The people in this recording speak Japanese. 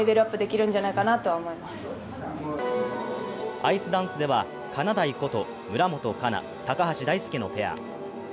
アイスダンスでは、かなだいこと村元哉中・高橋大輔のペア。